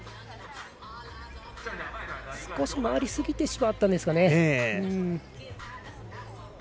少し回りすぎてしまったんですかね。